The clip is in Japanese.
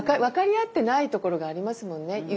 分かり合ってないところがありますもんね。